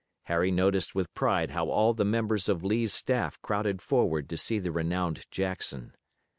Harry noticed with pride how all the members of Lee's staff crowded forward to see the renowned Jackson.